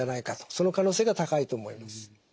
その可能性が高いと思います。